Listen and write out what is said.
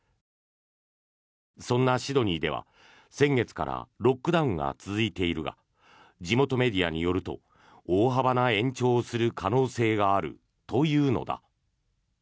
そんなシドニーでは先月からロックダウンが続いているが地元メディアによると大幅な延長をする可能性があるというのだ。